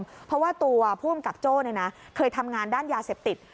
เพราะว่าตัวผู้อำกับโจ้เคยทำงานด้านยาเสพติด